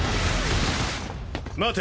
待て！